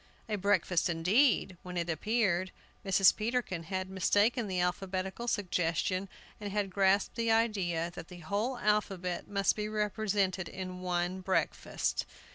A breakfast indeed, when it appeared! Mrs. Peterkin had mistaken the alphabetical suggestion, and had grasped the idea that the whole alphabet must be represented in one breakfast.